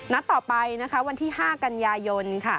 ต่อไปวันที่๕กันยายน